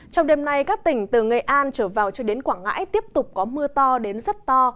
trong đêm nay các tỉnh từ nghệ an trở vào cho đến quảng ngãi tiếp tục có mưa to đến rất to